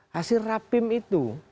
hasil rapim itu